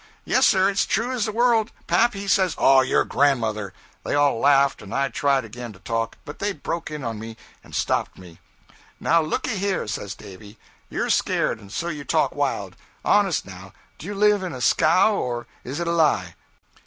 'Yes, sir; it's as true as the world; Pap he says ' 'Oh, your grandmother!' They all laughed, and I tried again to talk, but they broke in on me and stopped me. 'Now, looky here,' says Davy; 'you're scared, and so you talk wild. Honest, now, do you live in a scow, or is it a lie?'